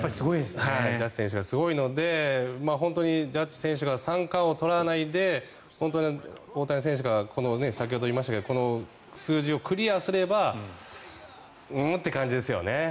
ジャッジ選手がすごいので本当にジャッジ選手が三冠王を取らないで大谷選手が先ほど言いましたけどこの数字をクリアすればうーんっていう感じですよね。